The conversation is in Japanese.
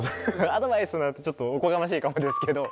アドバイスなんてちょっとおこがましいかもですけど。